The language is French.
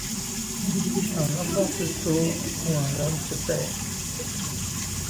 Une enfant se sauve où un homme se perd.